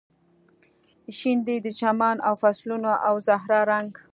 شین دی د چمن او فصلونو او زهرا رنګ